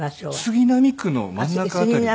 杉並区の真ん中辺りです。